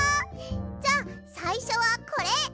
じゃさいしょはこれ！